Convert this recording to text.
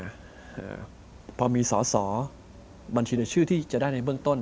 พอมีประมาณประกุศสอสอบัญชีตนชื่อที่ไปในเบื้องต้น